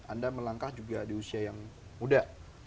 anda melangkah juga di usia yang muda